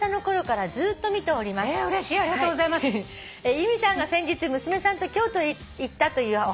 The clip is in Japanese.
「由美さんが先日娘さんと京都へ行ったというお話聞きました」